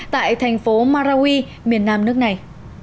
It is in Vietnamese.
tại thành phố marawi miền nam nước này